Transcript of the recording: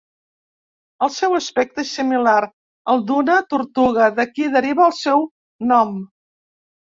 El seu aspecte és similar al d'una tortuga, d'aquí deriva el seu nom.